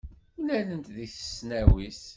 Mlalent deg tesnawit.